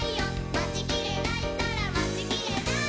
「まちきれないったらまちきれない！」